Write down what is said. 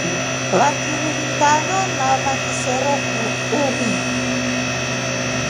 Vakilifu tanu na vakisero umi.